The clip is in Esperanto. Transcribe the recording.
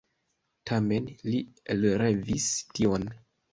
Tamen li elrevis tion.